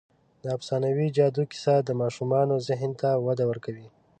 د افسانوي جادو کیسه د ماشومانو ذهن ته وده ورکوي.